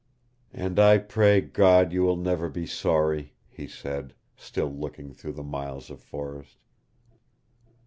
"And I pray God you will never be sorry," he said, still looking through the miles of forest.